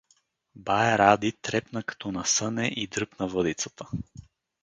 Бае Ради трепна като насъне и дръпна въдицата.